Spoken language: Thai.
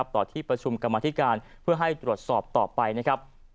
ต่อที่ประชุมกรรมธิการเพื่อให้ตรวจสอบต่อไปนะครับ